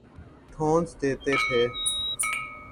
ﭨﮭﻮﻧﺲ ﺩﯾﺘﮯ ﺗﮭﮯ